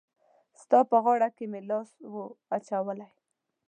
ستا په غاړه کي مي لاس وو اچولی